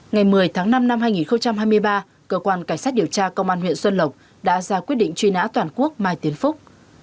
ngày một mươi tháng năm năm hai nghìn hai mươi ba cơ quan cảnh sát điều tra công an huyện xuân lộc đã ra quyết định truy nã toàn quốc mai tiến phúc